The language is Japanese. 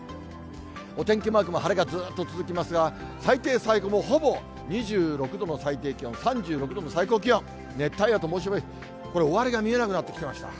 お天気マークも晴れがずっと続きますが、最低、最高もほぼ、２６度の最低気温、３６度の最高気温、熱帯夜と猛暑日、これ、終わりが見えなくなってきました。